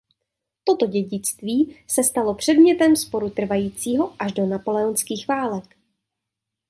Toto dědictví se stalo předmětem sporu trvajícího až do napoleonských válek.